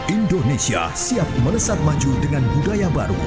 indonesia siap menesat maju dengan budaya baru